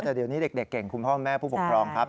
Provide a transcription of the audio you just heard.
แต่เดี๋ยวนี้เด็กเก่งคุณพ่อแม่ผู้ปกครองครับ